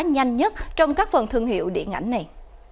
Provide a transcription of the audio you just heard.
nhanh nhất trong các phần thương hiệu điện ảnh này